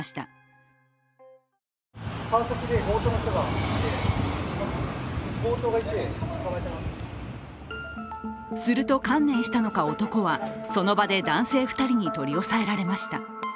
すると、観念したのか、男はその場で男性２人に取り押さえられました。